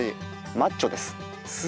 マッチョです。